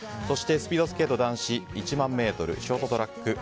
そしてスピードスケート男子１００００ｍショートトラック